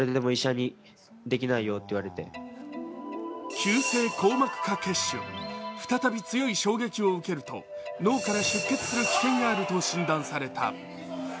急性硬膜下血腫、再び強い衝撃を受けると脳から出血する危険があると診断された。